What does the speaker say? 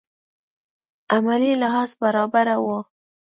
عملي لحاظ برابره وه.